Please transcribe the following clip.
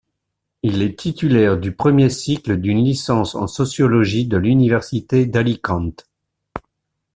Il est titulaire du premier cycle d'une licence en sociologie de l'université d'Alicante.